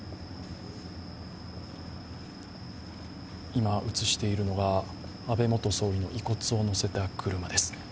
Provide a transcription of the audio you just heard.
今、移しているのが安倍元総理の遺骨をのせた車です。